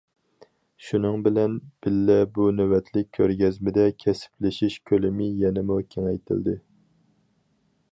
شۇنىڭ بىلەن بىللە، بۇ نۆۋەتلىك كۆرگەزمىدە كەسىپلىشىش كۆلىمى يەنىمۇ كېڭەيتىلدى.